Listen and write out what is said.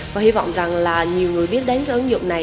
và hy vọng rằng là nhiều người biết đến cái ứng dụng này